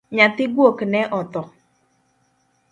Nyathi guok ne otho